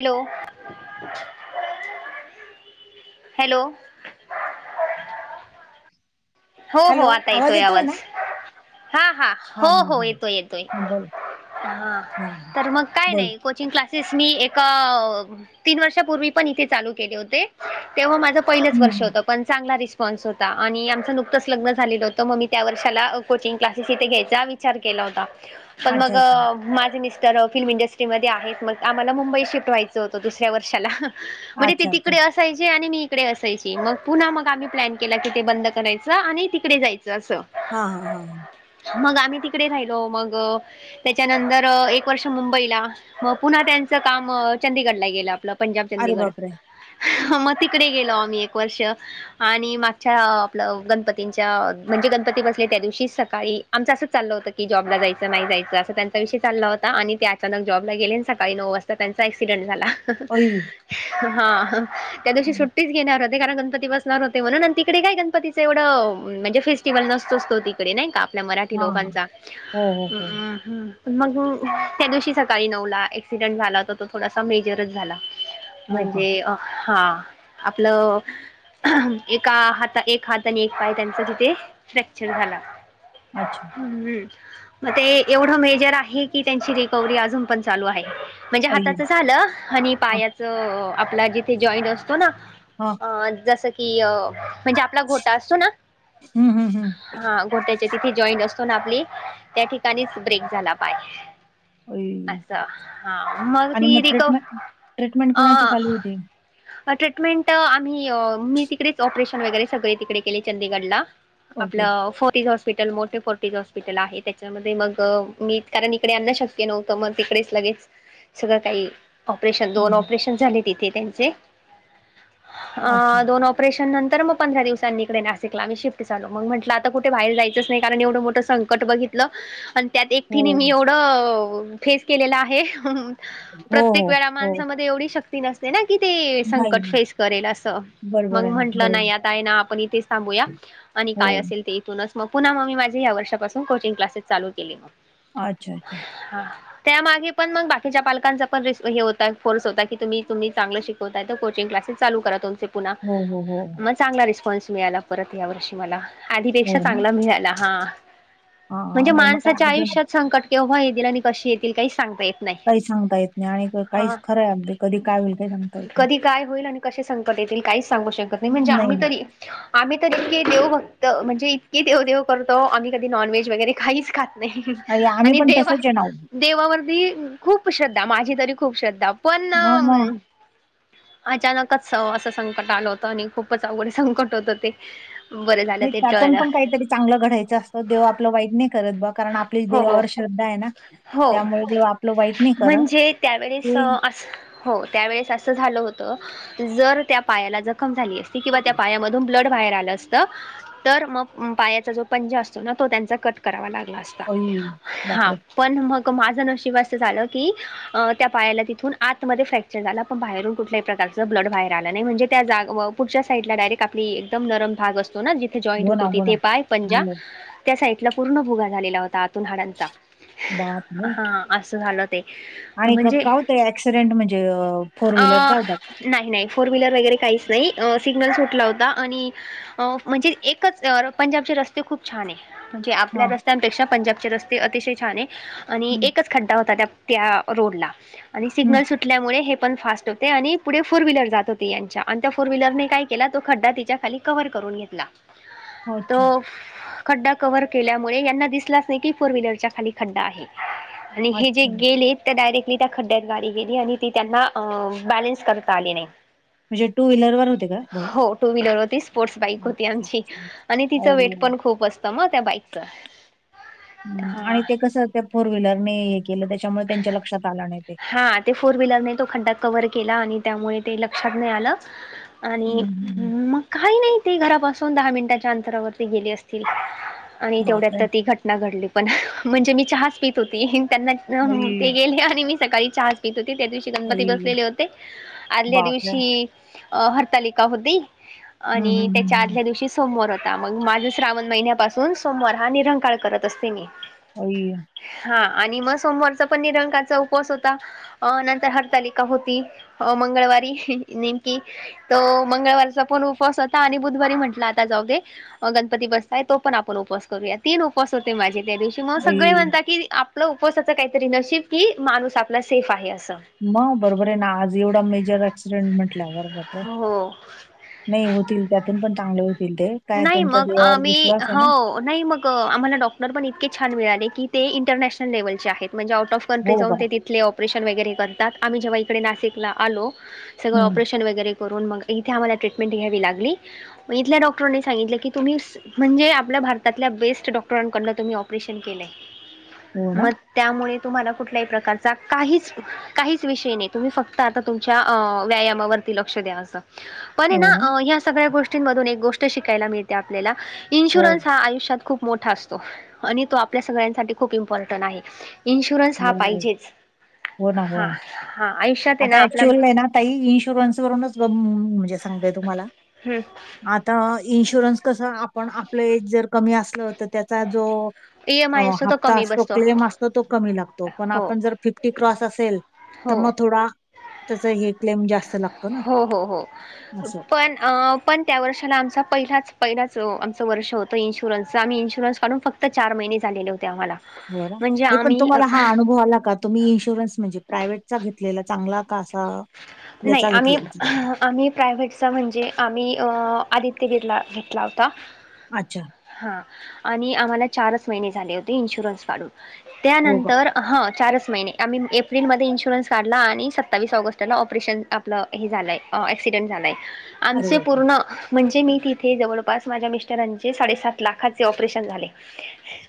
Hello hello हो, हो आता येतोय आवाज हा, हा हो, हा हो हा. येतोय येतोय बोला. हा तर मग काय बोल. नाही को चिंग क्लासेस मी एका तीन वर्षापूर्वी पण इथे चालू केले होते तेव्हा माझं पहिलंच हम्म. वर्ष हम्म. होतं पण चांगला रिस्पॉ [unintelligible] होता आणि आमच नुकतच लग्न झालेलं होतं मग मी त्या वर्षाला कोचिंग क्लासेस इथे घ्यायचा विचार केला होता. पण अच्छा मग अच्छा. माझ मिस तर फिल्म इंडस्ट्रीमध्ये आहेत मग आम्हाला मुंबई शिफ्ट व्हायचं होतं दुसऱ्या वर्षाला. म्हणजे ती अच्छा अच्छा. तिकडे असायची आणि मी इकडे असायची मग पुन्हा मग आम्ही प्लॅन केला की ते बंद करायच. आणि तिकडे जायचं असं हां हां हां मगं आम्ही तिकडे राहिलो मगं त्याच्यानंतर एक वर्ष मुंबईला मग पुन्हा त्यांचं काम चंदीगडला गेलं आपलं पंजाब अरे चंदीगड बापरे! हं मग तिकडे गेलो आम्ही एक वर्ष आणि मागच्या आपलं गणपतींच्या म्हणजे गणपती बसले त्या दिवशी सकाळी आमच असंच चाललं होतं की जॉबला जायचं नाही जायचं असं त्यां चा विषय चालला होता आणि ते अचानक जॉबला गेले सकाळी नऊ वाजता त्यांचा ऍक्सिडेंट झाला अई. हां हं त्या दिवशी हा. सुट्टीच घेणार होते कारण गणपती बसणार होते म्हणून तिकडे काय गणपती तेवढं म्हणजे फेस्टिवल नसतोस तो तिकडे नाही का आपल्या मराठी हा. लोकांचा हो हो हो. हं मग त्या दिवशी सकाळी नऊला ऍक्सिडेंट झाला तर तो थोडासा मेजरच झाला हो का? म्हणजे अं हा आपलं एका हाता एक हात त्यांनी एक पाय त्यांचा तिथे फ्रॅक्चर झाला अच्छा हं मग ते एवढं मेजर आहे की त्यांची रिहकवरी अजून पण चालू आहे म्हणजे अई. हाताचं झालं आणि हा. पायाच आपला जिथे जॉईंट असतो ना हां हं जसं की म्हणजे आपला गोटा असतो ना हं हं हं. तर तिथे जॉईंट असतो ना आपली त्या ठिकाणीच ब्रेक झाला पाय अई. असं हा मग आणि ती रिक ट्रीटमेंट ट्रीटमेंट कोणाची अं चालू होती? ट्रीटमेंट आम्ही मी तिकडेच ऑपरेशन वगैरे सगळे तिकडे केले चंदीगडला ओके. आपलं फोरी हॉस्पिटल मोठे फोर्टिच हॉस्पिटल आहे त्याच्यामध्ये मग मी कारण इकडे आणण शक्य नव्हतं मग तिकडेच लगेच सगळं काही ऑपरेशन दोन हं. ऑपरेशन झाले तिथे त्यांचे अच्छा. अं दोन ऑप ऑपरेशन नंतर मग पंधरा दिवसांनी नाशिकला आम्ही शिफ्ट झालो मग म्हंटलं आता कुठे बाहेर जायच नाही कारण एवढं मोठं संकट बघितलं त्यात हो. एकटीने मी एवढं फेस केलेलं आहे. हो प्रत्येक हो. वेळा हो. माणसामध्ये एवढी शक नसते ना कि ती नाही संकट ना. फेस करेल अस मग बरोबर आहे ना. म्हंटलं बरोबर. नाही आता आहे ना आपण इथेच बघूया आणि काय हो. असेल इथूनच मग पुन्हा मी माझे या वर्षापासून कोचिंग क्लासेस चालू केले अच्छा अच्छा. हां त्यामागे पण मग बाकीच्या पालकांचा पण र हेता आहे फोर्स होता की तुम्ही तुम्ही चांगलं शिकवताय तर कोचिंग क्लासेस चालू करा तुमचे पुन्हा हो हो हो. मग चांगला रिस्पॉन्स मिळाला परत या वर्षी मला हो आधीपेक्षा ना. चांगला मिळाला हां म्हणजे हां. नाही मग काय माणसाच्या अजून आयुष्यात संकट केव्हा येतील आणि कशी येतील काही सांगता येत नाही. काही सांगता येत नाही आणि हा काहीच खरंय अगदी कधी काय होईल काही सांगता येत नाही कधी काय होईल आणि. कसे संकट येतील काहीच सांगू शकत नाही म्हणजे आम्ही तरी. आम्ही तर इतके देव बघत म्हणजे इतकीे देव देेव करतो आम्ही कधी नॉनव्हेज वगैरे काहीच खात. नाही आम्ही आणि पण देवा. तसंच आहे ना हो. देवावरती खूप श्रद्धा माझी तरी खूप श्रद्धा पण. मग मग अचानकच असं संकट आलं होतं आणि खूपच अवघड संकट होत ते. बरं झालं नाही ते त्यातून टळलं. पण काहीतरी चांगलं घडायचं असतं देव आपलं वाईट नाही करत बघ कारण आपली हो हो देवावर श्रद्धा आहे ना. हो त्यामुळे देव आपलं वाईट नाही करत म्हणजे त्यावेळेस ते अस. हो त्यावेळेस असं झालं होत जर त्या पायाला जखम झाली असती किंवा त्या पायामधून. ब्लड बाहेर आलं असत तर मग पायाचा जो पंजा असतो ना तो त्यांचा कट करावा लागला असत. अई, हा बापरे पण मग माझं नशीिबस झालं की. त्या पायाला तिथून आतमध्ये फ्रॅक्चर झाला पण बाहेरून कुठल्याही प्रकारचं ब्लड बाहेर आलं नाही म्हणजे त्या जाग. पुूरच्या साईडला डायरेक्ट आपली एकदम नरम भाग असतो ना जिथे जॉईंट हो ना होतो हो ना तिथे पाय पंजा. अरे, त्या साईडला पूर्ण भुगा झालेला होता आतून हाडांचा बापरे हा असं झालं. ते. आणि म्हणजे का होतं ऍक्सिडेंट म्हणजे फोर अ व्हीलरचा होता. नाही नाही फोर व्हीलर वगैरे काहीच नाही सिग्नल्स सुटला होता. आणि अ म्हणजे एकच पंजाबचे रस्ते खूप छान आहे. म्हणजे हा आपल्या रस्त्यांपेक्षा पंजाबचे रस्ते अतिशय छान आहे आणि हम्म, एकच खड्डा होता त्या. त्या रोडला आणि हम्म. सिग्नल सुटल्यामुळे हे पण फास्ट होते आणि. पुढे फोर व्हीलर जात होती यांच्या आणि त्या फोर व्हीलरने का केला तो खड्डा तिच्यााली कव्ह करून घेतला. अच्छा तो. खड्डा कव्हर केल्यामुळे यांना दिसलाच नाही की फोर व्हीलरच्या खाली खड्डा आहे. आणि हे जे अच्छा गेलेत. डायरेक्टली त्या खड्ड्यात गाडी गेली आणि ती त्यांना बॅलेन्स करत आली नाही. म्हणजे टू व्हीलर वर होते का भाऊ. हो टू व्हीलर होती स्पोर्ट्स बाईक होती अच्छा, आमची अच्छा. आणि तिचं वेट ओ पण खूप असतं मग त्या बाईकच. हम आणि ते कसं ते फोर व्हीलरने हे केलं त्याच्यामुळे त्यांच्या लक्षात आलं नाही ते. हा ते फोर व्हीलरने तो खड्डा कवर्ह केला आणि त्यामुळे ते लक्षात नाही आलं. आणि हं, हं. मग काही नाही. ती घरापासून दहा मिनटाच्या अंतरावरती गेली असतील आणि तेवढ्यात बापरे! तर ती घटना घडली. पण म्हणजे मी चहाच पित होती त्यांना आई, ते गेले आणि मी सकाळी चहाच पित होते त्या दिवशी. गणपती आई, बसलेले होते आदल्या बापरे! दिवशी हरतालिका होती. हं, हं, आणि हं, त्याच्या हं. आदल्या दिवशी. सोमवार होता मग माझ श्रावण महिन्यापासून सोमवार हा निरंकाळ करत असते मी. होई. हा आणि मग सोमवारचा पण निरंकाचा उपवास होता. अ नंतर हरतालिका होती मंगळवारी नेमकी. तो मंगळवारचा पण उपवास होता आणि बुधवारी म्हटला आता जाऊ देे. गणपती बसताय तो पण आपण उपस करूया तीन उपस होते माझे त्या दिवशी. कि मग सगळे आई. म्हणता की आपलं उपवासाच काहीतरी नशीब की माणूस आपला सेफ आहे असं. म बरोबर आहे ना आज एवढा मेजर ऍक्सिडेंट म्हंटल्या बरोबर. हो. नाही होतील त्यातून पण चांगले होतील ते. काय नाही तुमचा मग देवावर मी, विश्वास आहे ना? हो. नाही, मग आम्हाला डॉक्टर पण इतके छान मिळाले की ते इंटरनॅशनल लेव्हलचे आहेत म्हणजे आउट ऑफ -कंट्री हो जाऊन का? ते तिथले ऑपरेशन वगैरे करतात, आम्ही जेव्हा इकडे नाशिकला आलो सगळं हं. ऑपेरेशन वैगेरे करुन मग इथे आम्हाला ट्रेंटमेन्ट घ्यावी लागली मग इथल्या डॉक्टरांनी सांगितलं की तुम्ही म्हणजे आपल्या भारतातल्या बेस्ट डॉक्टरांकडन तुम्ही ऑपरेशन केलंय, हो ना, मग त्यामुळे तुम्हाला कुठल्याही प्रकारचा काहीच-काहीच विषय नाही, तुम्ही फक्त आता तुमच्या व्यायामावरती लक्ष द्या आता. पण हे ना ह्या सगळ्या गोष्टींमधून एक गोष्ट शिकायला मिळते आपल्याला हो, इन्शुरन्स हा आयुष्यात खूप मोठा असतो आणि तो आपल्या सगळ्यांसाठी खूप इम्पॉर्टन्ट आहे. इन्शुरन्स हा हो, पाहिजेच. हो ना, हो हा ना. हा आयुष्यात आहे ना आता आपला ऍक्च्युअल [inaudible] ना ताई इन्शुरन्स- वरूनच [inaudible] म्हणजे सांगतय तुम्हाला. हम्म! आता इन्शुरन्स कसं आपण आपलं एज जर कमी असलं तर त्याचा जो ई एम अ आय असतो तो हप्ता कमी असतो, बसतो क्लेम असतो तो कमी लागतो, पण हो आपण जर फिफ्टी क्रॉस असेल, तर हो मग थोडा त्याच हे क्लेम जास्त लागतो ना हो हो हो, असं. पण अ पण त्या वर्षाला आमचा पहिलाच-पहिलाच आमचं वर्ष होतं, इन्शुरन्सच आम्ही इन्शुरन्स काढून फ -क्त चार महिने झालेले होते आम्हाला. म्हणजे नाही पण आम्ही अ, तुम्हाला हा अनुभव आला का? तुम्ही इन्शुरन्स म्हणजे प्रायव्हेटचा घेतलेला चांगला का असा? नाही, याचा आम्ही घेतलेला? आम्ही प्रायव्हेटचा म्हणजे आम्ही अ आदित्य बिरला घेतला होता. अच्छा! हा आणि आम्हाला चारच महिने झाले होते, इन्शुरन्स काढून. हो का? त्यानंतर हा चारच महिने आम्ही एप्रिल-मध्ये इन्शुरन्स काढला आणि सत्तावीस ऑगस्टला ऑपरेशन आपलं हे झालंय, ॲक्सिडेंट झालंय अरे आमचे बापरे! पूर्ण म्हणजे मी तिथे जवळपास माझ्या मिस्टरांचे साडेसात लाखांचे ऑपरेशन झाले.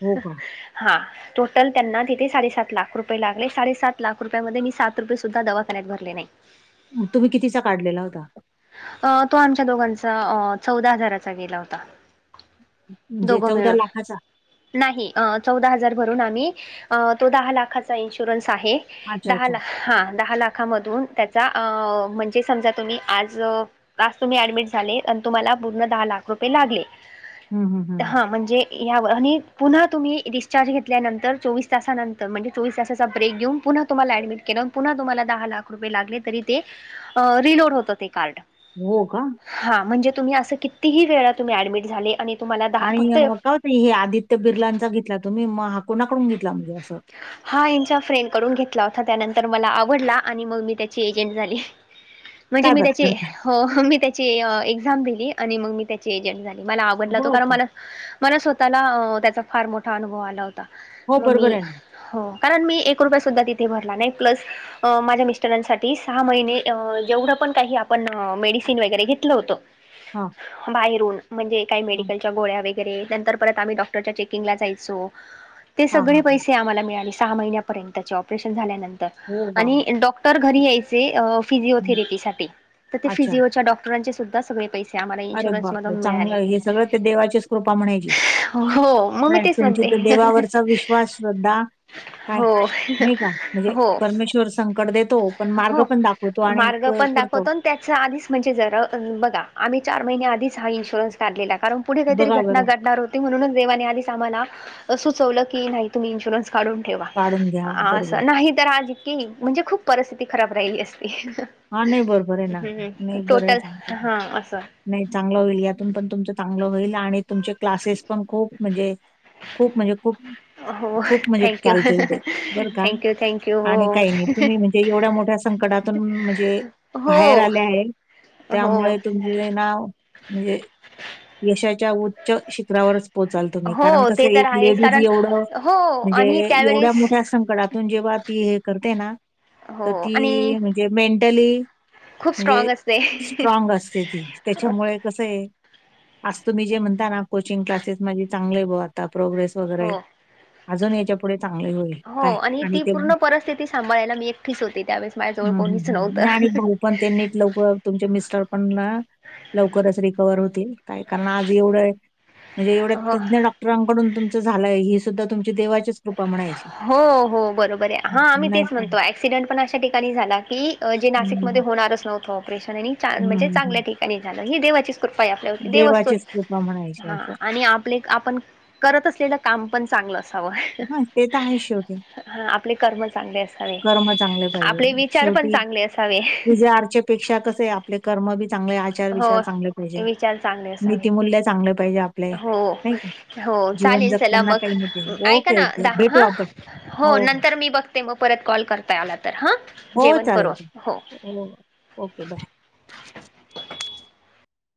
हो का? हा! टोटल त्यांना तिथे साडे-सात लाख रुपये लागले, साडे-सात लाख रुपया-मध्ये मी सात रुपये सुद्धा दवाखाण्यात भरले नाही. मग तुम्ही कितीचा काढलेला होता? अ तो आमच्या दोघांचा अ चौदा हजाराचा गेला होता. म्हणजे दोघं मिळून. लाखाचा? नाही, चौदा हजार भरून आम्ही तो दहा लाखाचा इन्शुरन्स आहे. अच्छा, दहा अच्छा. ला हा दहा लाखामधून त्याचा, अ म्हणजे समजा तुम्ही आज आज तुम्ही ऍडमिट झाले आणि तुम्हाला पूर्ण दहा लाख रुपये लागले. हं, हं, हं. हा म्हणजे [inaudible] आणि पुन्हा तुम्ही डिस्चार्ज घेतल्यानंतर चोवीस तासानंतर म्हणजे चोवीस तासाचा ब्रेक घेऊन पुन्हा तुम्हाला ऍडमिट केलं, पुन्हा तुम्हाला दहा लाख रुपये लागले, तरी ते रिलोड होतं ते कार्ड. हो का? हा म्हणजे तुम्ही असं कितीही वेळा तुम्ही ऍडमिट झाले आणि तुम्हाला आणि फक्त मग का हो ते हे आदित्य बिरलांचा घेतला, तुम्ही मग हा कोणाकडून घेतला? म्हणजे असं हा ह्याच्या फ्रेंड कडून घेतला होता, त्यानंतर मला आवडला आणि मग मी त्याची एजंट झाली. म्हणजे काय मी बात त्याची, करताय? हो हो, मी त्याची एक्साम दिली आणि मग मी त्याची एजंट झाली. मला आवडला तो हो कारण का? मला, मला स्वतःला त्याचा फार मोठा अनुभव आला होता. हो, मग मी, बरोबर आहे ना. हो. कारण मी एक रुपया सुद्धा तिथे भरला नाही प्लस माझ्या मिस्टरांसाठी सहा महिने जेवढं पण काही आपण मेडिसिन वगैरे घेतलं होतं हा बाहेरून म्हणजे काही मेडिकलच्या गोळ्या वगैरे नंतर परत आम्ही डॉक्टरच्या चेकिंगला जायचो ते हां, सगळे हां, हां. पैसे आम्हाला मिळाले सहा महिन्या-पर्यंतचे ऑपरेशन झाल्यानंतर हो का? आणि डॉक्टर तर घरी यायचे हं. फिजिओथेरपी साठी तर ते अच्छा. फिजिओच्या डॉक्टरांचे सुद्धा सगळे पैसे आम्हाला अरे इन्शुरन्स मधून बापर चांगलं मिळाले हे सगळं ते देवाचीच कृपा म्हणायची हो मग मी नाही तेच तुमची तर म्हणते देवावरचा विश् वास श्रद्धा काय हो नाही का म्हणजे हो परमेश्वर संकट देत हो पण मार्ग पण दाखवतो आणि करतो त्याच आधीच म्हणजे जरा बघा आम्ही चार महिनने आधीच हा इन्शुरन्स काढलेला कारण पुढे काहीतरी बघा घटना बरं, घडणार होती म्हणूनच देवाने आली आम्हाला सुचवलं की नाही तुम्ही इन्शुरन्स काढून ठेवा काढून घ्या. अस बरोबर. नाही तर आजकी म्हणजे खूप परिस्थिती खराब राहिली असती हा नाही बरोबर आहे ना हम्म नाही बरं टोटल आहे हा असं. नाही चांगलं होईल यातून पण तुमचं चांगलं होईल आणि तुमचे क्लासेस पण खूप म्हणजे खूप म्हणजे खूप हो खूप म्हणजे थँक्यू चालतील ते बर का थँक्यू थँक्यू आणि हो. काही नाही तुम्ही म्हणजे एवढ्या मोठ्या संकटातून म्हणजे हो बाहेर आले आहे हो त्यामुळे तुम म्ह नाव म्हणजे यशाच्या उच्च शिखरावरच पोचाल तुम्ही कारण हो ते कसं तर एक आहेच लेडीज कारण एवढं हो म्हणजे आणि एवढ्या त्यावेळेस मोठ्या संकटात तून जेव्हा ती हे करते ना तर हो आणि ती म्हणजे मेंटली खूप म्हणजे स्ट्रॉंग असते स्ट्रॉग असते ती त्याच्यामुळे कस आहे आज तुम्ही जे म्हणता ना कोचिंग क्लासेस माझे चांगले बुवा ता प्रोग्रेस हो वगैरे अजून याच्या पुढे चांगली होईल हो काय आणि ती ते हं, पूर्ण परिस्थिती सांभाळायला मी एकटीच होते त्यावेळेस माझजवळ हं, कोनीच आणि भाऊ पण त्यांनी लवकर तुमच्या मिस्टर पण ना लवकरच रिकवर होतील काय कारण आज एवढं म्हणजे एवढ्या हो तज्ञ डॉक्टर डॉक्टरांकडून तुमच झालंय ही सुद्धा तुमची देवाची कृपा म्हणायची हो हो बरोबर आहे हा आम्ही नाही तेच की म्हणतो ऍक्सिडेंट पण अशा ठिकाणी झाला की जे हं, नाशिकमध्ये हं, होणारच नव्हतं ऑपरेशन आणि म्हणजे हं, चांगल्या हं. ठिकाणी झालं हे देवाची कृपा आपल्यावरती देव असतो देवाचीच कृपा म्हणायची ह असं आणि आपले आपण करत असलेलं काम पण चांगलं असावं हा ते तर आहे शेवटी हा आपले कर्म चांगले असावे कर्म चांगले पाहिजे आपले विचार पण शेवटी चांगले असावे विजय आरचे पेक्षा कस आहे आपले कर्म बी चांगले आचार विचार हो चांगले पाहिजे विचार चांगले असावे नीतीमूल्य चांगले पाहिजे हो नाही का हो जीवन चालेल चला जगताना मग काही नाही पाहिजे ऐका ओके ना ओके दहा भेटू हा आपण हो नंतर मी बघते मग परत कॉल करताय आला तर हा हो चालेल ल हो ओके बाय